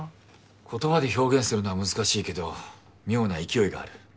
言葉で表現するのは難しいけど妙な勢いがある。